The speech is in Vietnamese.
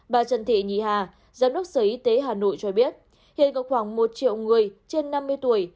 bà trần thị nhì hà giám đốc sở y tế hà nội cho biết hiện có khoảng một triệu người trên năm mươi tuổi